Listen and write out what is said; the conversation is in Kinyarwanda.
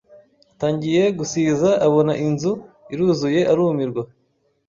atangiye gusiza abona inzu iruzuye arumirwa